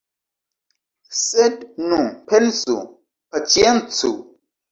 Sed nu, pensu, paĉiencu.